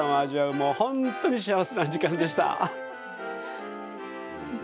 もう本当に幸せな時間でした。